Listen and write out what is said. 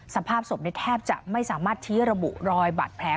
สภาพศพแทบจะไม่สามารถชี้ระบุรอยบาดแผล